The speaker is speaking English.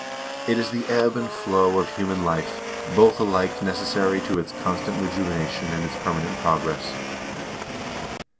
It is the ebb and flow of human life, both alike necessary to its constant rejuvenation and its permanent progress.